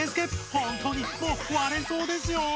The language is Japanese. ほんとにもう割れそうですよ！